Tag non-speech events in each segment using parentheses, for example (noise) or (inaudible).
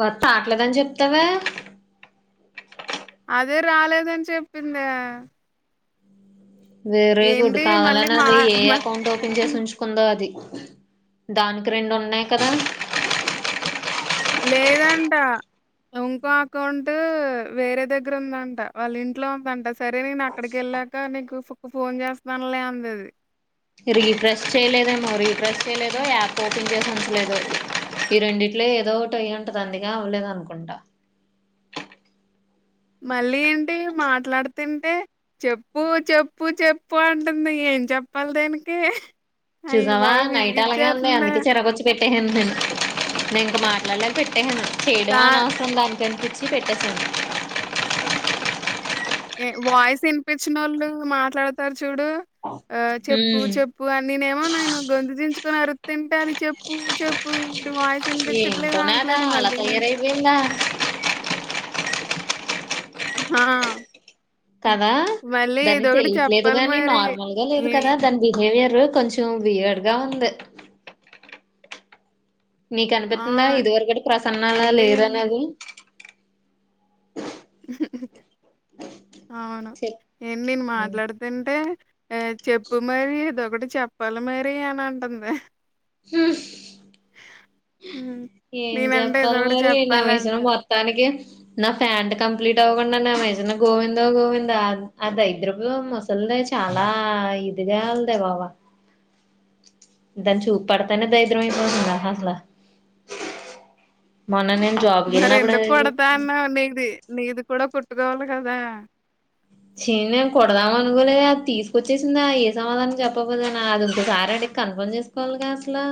Worth ఆట్లేదని చెప్తావే అదే రాలేదని చెప్పిందే వెరీ గుడ్ ఏంటి మళ్ళీ కావాలనీ మా అది ఏ మ అకౌంట్ ఓపెన్ చేసి ఉంచుకుందో అది దానికి రెండు ఉన్నాయ్ కదా లేదంట ఇంకో అకౌంట్ వేరే దగ్గర ఉందంట వాళ్ళ ఇంట్లో ఉందంట సరే నేను అక్కడికి ఎల్ ల్లక నీకు ఫ్ ఫోన్ చేస్తానులే అన్నది రిఫ్రెష్ చేయలేదుమో రిఫ్రెష్ చేయలేదు యాప్ ఓపెన్ చేసా లేదో ఈ రెండిట్లే ఏదో ఒకటి అయ్యి ఉంటది అందుకే అవ్వలేదనుకుంటా మళ్ళీ ఏంటి మాట్లాడు తుంటే చెప్పు చెప్పు చెప్పు అంటుంది ఏం చెప్పాలి దినికి చూసావా నైట్ అలాగే ఉన్నాయి అందుకే చిరాకొచ్చి పెట్ ట్టేసన్ నేను ఇంక మాట్లాడలేదు పెట్టేసాను చేయడం కా అనవసరం దన్ కనిపిచ్చి పెట్టేసాను ఏ వాయిస్ వినిపించిన ఒళ్ళు మాట్లాడతారు చూడు ఆ చెప్పు ఉమ్ చెప్పు అని నేనేమో నేను గొంతు చిచ్చుకొని అరు తుంటే అది చెప్పు చెప్పు ఇటు వయస్ వినిపించిట్లేదు రాట్లేదు మళ్ళీ నాది ఇలా హ కదా దాని తెలీట్లేదు చెప్పాలి గాని మరి. నార్మల్ గా లేదు ఏ కదా దాని బిహేవియర్ కొంచం వేయడ్గా ఉంది నీకు ఆ! అనిపితుందా ఇది వరికటి ప్రసన్నాల ఏంటి లేరనది అవును చెప్ ఏ నేను మాట్లాడుతుంటే ఆ చెప్పు మరీ ఇదొ ఒకటి చెప్పాలి మరీ అని అంటుంది సుస్ హ్మ్. ఏం నేనంటే చెప్పాలి ఏదోకటి మరి నావేసావు చెప్పాలంట. మొత్తానికి నా ఫ్యాంట్ కంప్లీట్ అవ్వకుండాన్న నా మీషిన్ గోవిందో గోవింద ఆ దైద్రపు ముసల్ది చాలా ఇదిగా ఉందే బాబ దాని చూప్ పడుతనే బై (unintelligible) నాకసలు మొన్ననే మరి ఎందుకు కూడతాన్నావు నీది నీది కూడా కుట్టుకోవాలి కదా చీ నిన్ కూడుదాం అని హ్మ్. కూనే అది తీస్ వచ్చేసిందా ఏ సమాధానం చెప్పపోదేనా అది ఇంకోసారి అడిగి కన్ఫర్మ్ చేసుకోవాలిగా అసలు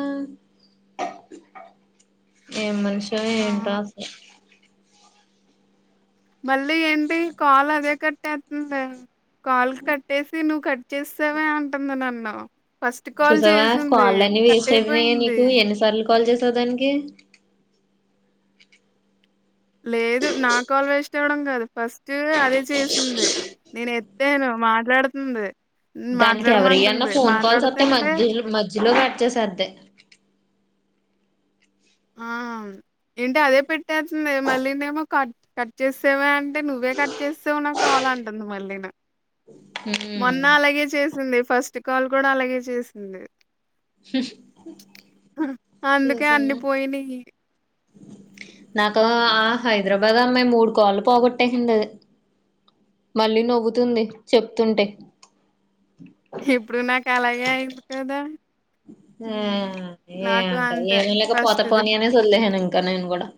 ఏం మనిషో ఏంటో అవును. అసలు మళ్ళీ ఏంటి కాలు అదే కట్టేతుందే కాల్ కట్టేసి నువ్వు కట్ చేసేసావే అంటుంది న్నను చూసావా కాలన్ని వేస్ట్ అయిపోయాయి కట్టయిపోయింది. నీకు ఎన్నిసార్లు కాల్ చేసావ్ దానికి లేదు నా కాల్ వేస్ట్ అవడం కాదు ఫస్ట్ అదే చేసింది. నేను ఎత్తాను మాట్లాడుతుంది. దానికి ఎవరియ్యన అన్న మాట్లాడమంటుంది. ఫోన్ కాల్స్ వత్తే మాట్లాడుతుంటే మధ్యలో మధ్యలో కట్టచేసేద్ది ఆమ్ ఏంటి అదే పెట్టేసింది మల్లినేమో కట్ కట్ చేసేవ అంటే నువ్వే కట్ చేసేసవ్ నా కాల్ అంటుంది మళ్ళీ నా ఉమ్ మొన్న అలగే చేసింది ఫస్ట్ కాల్ కూడా అలగే చేసింది శుష్ ఆహ్ అందుకే అన్ని పోయ్నాయి నాకు ఆ హైదరాబాద్ అమ్మాయి మూడు కాళ్ళు పోగొట్టేసింది అది మళ్ళి నువ్వుతుంది చెప్తుంటే ఇప్పుడు నాకు అలాగే అయింది కదా ఆ హ్మ్. నాకు ఏంటా అంతే ఏమ లేక పోత ఫస్ట్‌ది. పోని అనేసి వదిలేసను ఇం ఇంకా నేను కూడా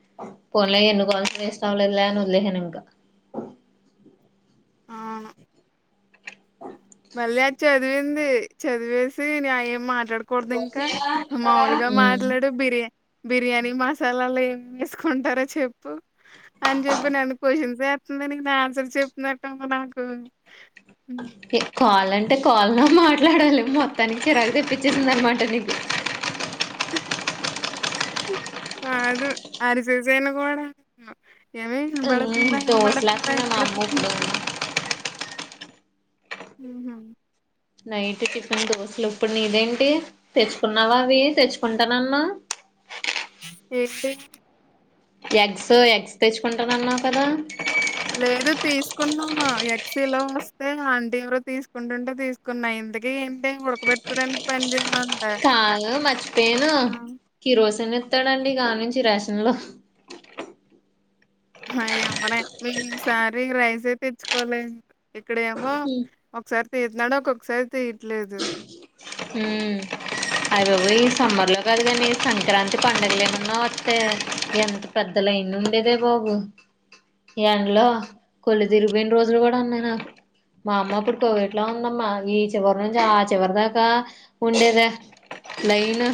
పోన్లే ఎన్నుకోల్స ఇస్తావలేల అని వొదిలేసాను ఇంకా ఆవును మళ్ళీ అది చదివింది చదివేసి న్యాయం మా మాట్లాడకూడదింకా మాములుగా మాట్లాడు బిర్యా బిర్యానీ మసాలాలు ఏం మెసుకుంటారో చెప్పు అని చెప్పి నన్ను క్వశ్చన్ ఏతున్ నేను ని ఆన్సర్ చెప్పినట్టుంది నాకు ఉ కాల్ అంటే కాల్లో మాట్లాడాలి మొత్తానికి చిరాకు తెప్పించిసిందనమాట నీకు కాదు అరిచేసేను కూడా ఆ ఎవె ఇంబడుతుంద ఇంబడతుంద దోశలేస్తుంది మా ఇంబడ అమ్మ ఇప్పుడు ఉహు నైట్ టిఫెన్ దోశలు ఇప్పుడు నీదేంటి తెచ్చుకున్నావా అవి తెచ్చుకుంటానన్నవ్ ఎంటె ఎగ్సు ఎగ్స్ తెచ్చుకుంటానన్నావ్ కదా లేదు తీసుకున్నాను ఎక్సీలో నొస్తే అంటి ఎవరు తీసుకుంటుంటే తీసుకున్న ఇంతకి ఏంటె ఉడకబెట్టడానికి పని చేయ కాదు మచ్చిపేన ఆ! కిరోసిన్ ఇస్తాడండి ఆ నుంచి రేసన్ లో ఆహ్ ఎవనం మేము ఈసారి రైసే తెచ్చుకోలె ఇక్కడెమో ఒకసారి తీతున్నాడో ఒకొకసారి తీ ఉహుమ్ అయిబబో ఒరై సమ్మర్ లో కదు గాని సంక్రాంతి పండుగలు ఏమన్నా ఒత్తయా ఎంత పెద్దలైన్ ఉండే అరే బాబు ఎండ్లో కొళ్ళు తిరిగిపొయిన రోజులు కూడా ఉన్నాయ్ నాకు మా అమ్మ అప్పుడు కొవెట్లా ఉందమ్మా ఈ చివరి నుంచి ఆ చివరదాక ఉండేద లైను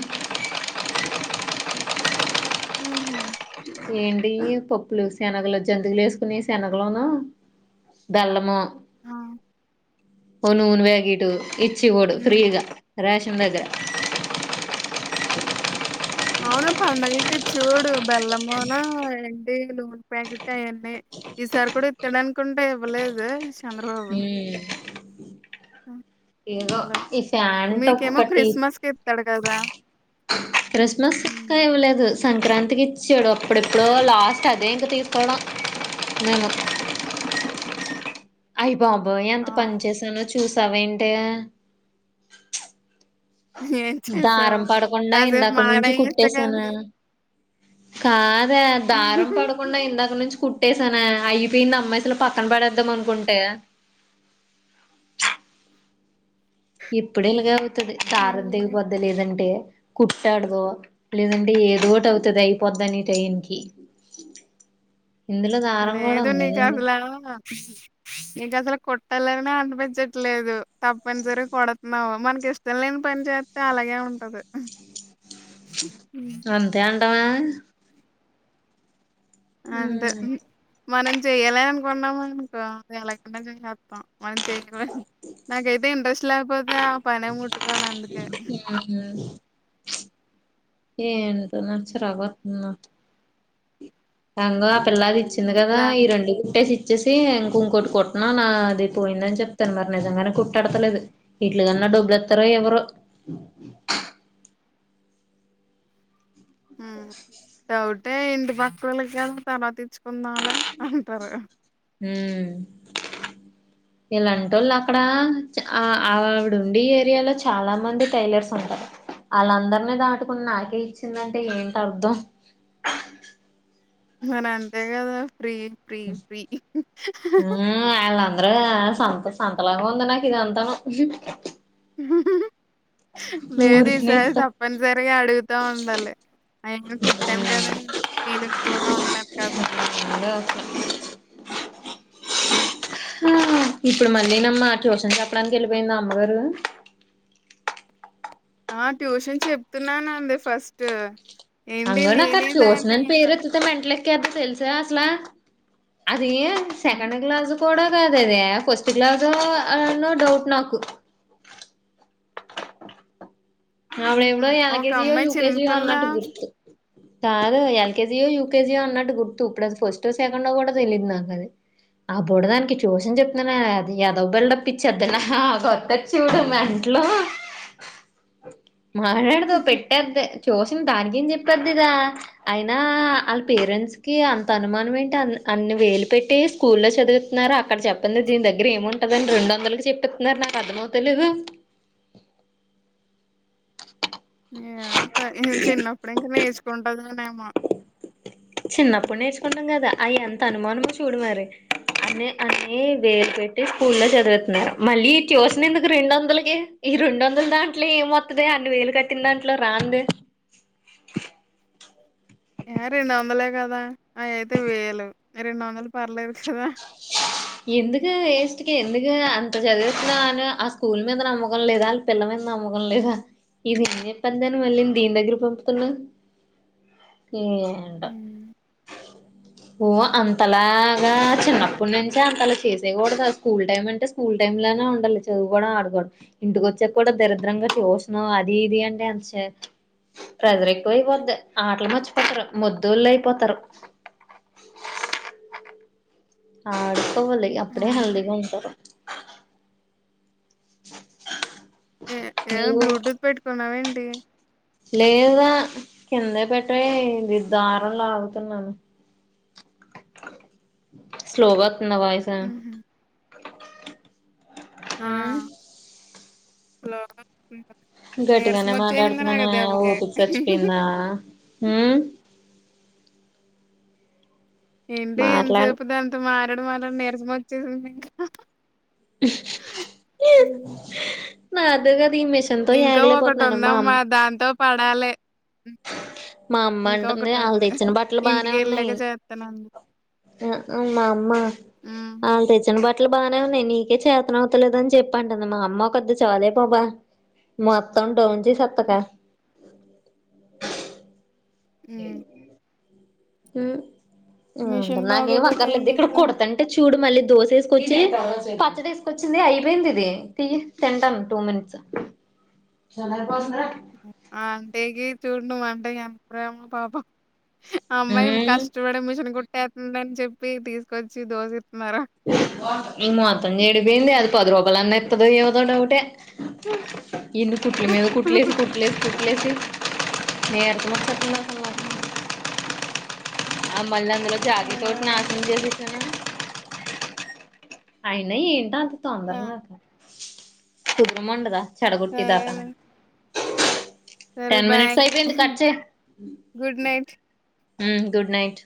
హుహ్ ఏంటి పప్పులు శనగలు జంతికలు లేసుకుని శనగలోన బెల్లము హ ఒ నూను పాకిటు ఇచ్చెవొడు ఫ్రీగా రేషన్ దగ్గర అవును పండగలకిచూడు బెల్లంమును ఎంటి నూనె ప్యాకెట్ అయన్ని ఈసారి కూడా ఇత్తడంకుంటే ఇవ్వలేదు ఉహ్ హ్ ఇవ్వాలె ఈ ఫ్యాంట్ మీకేమో ఒక్కటి క్రిస్మస్ కిత్తడు కదా క్రిస్మస్ కి హ్మ్. ఇంక ఇవ్వలేదు సంక్రాంతికిచ్చెడు అప్పుడప్పుడో లాస్ట్ అదే ఇంక తీసుకోవడం నేను అయి బాబోయ్ ఎంత పని అవును. చేసానో చూసావ ఏంటే ఏం చేసావు? దారం పడకుండా కాసేపు ఇందక్కనుంచి మాట్లాడేయొచ్చు కుట్టేేశానా. కదా! కాదే దారం పడకుండా ఇందాక నుంచ్ కుట్టేసానె అయిపోయింది అమ్మ అసలు పక్కన బడేద్దాం అనుకుంటే (unintelligible) ఇప్పుడె ఇలాగ హ్మ్. అవుతది దరం ఏంది? తెగిపోద్దె లెదంటే కుట్టాడదో లేదంటే ఏదోటి అవుతది అయిపోద్దనే టైంకి ఇందులో దారం కూడవుంది నీకసలు కుట్టాలనే అనిపించట్లేదు తప్పనిసరి కుడతున్నావు మనకి ఇష్టం లేని పనిచేత్తె అలాగే ఉంటది ఉహ్ అంతే అంటవా అంతే హ్మ్మ్ మనం చెయాలె అనుకున్నామునుకో ఎలాగున్నా చేసేతాం మనం చెయ్యడమె నాకైతే ఇంట్రెస్ట్ లేపోతే ఆ పనే ముట్టుకోను అందుకే (unintelligible) ఏంటోన చిరాకు వాతున్నా అంగో ఆ పిల్లాది ఇచ్చింది కదా లే ఈ రెండు కుట్టేసి ఇ వచ్చేసి ఇంక ఇంకోటి కొట్న నాది పాయిందని చెప్తాను మరి నిజంగానే కుట్టడతలేదు ఇట్లు కన్నా డోబ్లీతారో ఇవ్వరో డౌటే ఇంటి పక్కోలె కదా తర్వాతీచ్చుకుందాలే అంటారు ఉమ్ ఇలాంటోళ్ళు అక్కడ ఆవిడుండె ఏరియాలో చాలా మంది టైలర్స్ ఉంటారు అళ్ళందరినీ దాటుకుని నాకే ఇచ్చిందంటే ఏంటర్థం మనం అంతే కదా ఫ్రీ ఫ్రీ ఫ్రీ హీ హీ హ హ హ మరే ఆ సంత సంతలాగా ఉంది నాకు ఇది అంతాను ఉహు ఊరికినే లేదిసారి ఇత్త తప్పనిసరిగా అడుగుతా ఉండాలి ఆయన్ని కూట్టాను కదా నేను ఇట్లోనే ఉంట్నాన్ కదా (unintelligible) హా ఇప్పుడు మళ్ళీనమ్మా ట్యూషన్ చెప్పడానికి ఏళ్ళిపోయింద అమ్మగారు ఆ ట్యూషన్ చెప్తున్నానంది ఫస్ట్ ఏంటి అంగొనాక్ నేనే దాన్ని ట్యూషనని పేరేత్తితే మేట్లెకి తెలుసా అస్లా అది హ్మ్. సెకండు క్లాసు కూడా కాదదే ఫస్ట్ క్లాసో అన్న డౌట్ నాకు హుహు. అప్పుడెపుడో ఒక ఎలకెజియో అమ్మాయి చిన్న యుూకేజియో పిల్ల అన్నట్టు గుర్తు కాదు ఎల్కేజియో యూకేజియో అన్నట్టు గుర్తు ఇప్పుడది ఫస్టో సెకండో కూడా తెలిదు నాకది ఆ బొడదానికి ట్యూషన్ చెప్తున్నాను అది ఎదవబిల్డుప్ ఇచ్చెద్ది నాకోతద్ చూడు మెంటా లూ మాట్లాడదు పెటేద్దే ట్యూషన్ దానికి ఏం చెప్పాదిదా అయినా అళ్ పేరెంట్స్ కి అంత అనుమానం ఏంటి అ అన్ని వేలు పెట్టి స్కూల్లో చదువితున్నారు అక్కడ చెప్పంది దీని దగ్గర ఏముంటదని రెండు వందలకి చెప్పితున్నారు నాక్ అర్ధమోవాతలేదు ఏమో త ఇహి చిన్నప్పుడు ఇంకా నేర్చుకుంటదని చిన్నప్పుడు నేర్చుకుంటాం కదా ఐఎంత అనుమానమో చూడు మరి అడ్ని అని వేలు పెట్టి స్కూలో చదువితున్నారు మళ్ళీ ఇ ట్యూషన్ ఎందుకు రెండోదలకి ఈ రెండొందలు దాంట్లో ఎంవాతదే అన్ని వేలు కట్టిన దాంట్లో రంధి ఎ రెండు వందలే కదా అవి అయితే వేలు రెండు వందలు పర్లేదు కదా ఎందుకు వెస్ట్ ఎందుకు అంత చదివిస్తున్నాని ఆ స్కూల్ మీద నమ్మకం లేదా వాళ్ళ పిల్ల మీద నమ్మకం లేదా ఇదేం ఏం ప్పందాని మళ్ళీ దీని దగ్గరికి పంపుతున్నావ్ ఏంటో హ్మ్. వు ఆ! అంతలాగా చిన్న ఇప్పుడ్ నుంచే అంత అలా చేసేకుడదు స్కూల్ టైమ్ అంటే స్కూల్ టైమ్ లనే ఉండాలి చదువుకోవడం ఆడకోవడం ఇంటికోచి చేపుడో దరిద్రంగా చూస్తున్నావ్ అది ఇది అంటే ఎంత ప్రెషర్ ఎక్కువ అయిపోది ఆటలు మర్చిపోతారు ముద్దుళ్ళు అయిపోతారు అడుకోవాలి అప్పుడే ఆ! హెల్దగా ఉంటారు ఏ ఏమ నీవు బ్లూటూత్ పెట్టుకున్నావేంటి లేదా కిందే పెటే దారం లాగుతున్నాను స్లోగా వాతదే వాయిస హుహు. ఆ స్లో గా వాతదా గట్టిగానే మాట్లాడుతున్నాని ఓపిక చచ్చిపోయిందా ఉమ్ ఏంటి మాట్లాడు ఇంతసేపు దానితో మాట్లాడి మాటాడి నీరసం వచ్చేసిందా నీకు ఉమ్ నాద్ ఈ మెషిన్ తో ఒకటి ఎగలేకపోతున్న మా ఆమ్ ఉందమ్మా దాంతో పడాలి మా అమ్మ ఇంకా అంటది ఒకటి వాళ్ళ ఉంది తెచ్చిన బట్టలు బానే ఇంటికి ఉన్నాయి వెళ్ళాక చేస్తానండి హు మా అమ్మా ఉమ్. ఆల్ తెచ్చనా బట లూ బానే ఉన్నాయి నీకే చేతన అవుతలేదని చెప్పంటుంది మా అమ్మ ఒక్కది చాలే బాబా మొత్తం డౌన్లోడ్ చేసేతక ఉమ్. (unintelligible) ఉమ్ మిషన్ నాకేం బాగోపోతే ఏం అక్కర్లేదు ఇక్కడ చేస్తాం కొడతంటే చూడు మళ్ళీ దోస ఏసుకచి పచ్చడి ఏసుకొచ్చింది అయిపోయింది ఇది తిగి తింటాను టూ మినిట్స్ చాలే పోదే అంటేకి చూడు నువ్వుఅంటే ఎంత ప్రేమో పాపం అమ్మాయి కష్టపడి మిషన్ కుట్టేతేదని చెప్పి తీసుకొచ్చి దోశ ఇ మాత్రం చెడిపోఇంది అది పదరూపాఆనట్ ఇతదో ఎవదో డౌట్ ఏ ఇన్ని కుట్ల మీద కుట్లేసి కుట్లేసి కుట్ లే నీరసం వచ్చేస్తుంది నాకు అసలు ఉమ్ మళ్ళిందులో జాకీట అయ్యా ఒక్కటి నశినం జేసేసానే అయినా ఏంట అంత తొందర నాకు కుదురం ఉన్నడాద చెడగోటే దాకా సరే సరే టెన్ బాయ్ మినిట్స్ అయిపోయింది కచెయ్ good night um good night